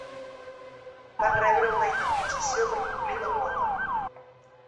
Van rebre una indemnització per complir la quota.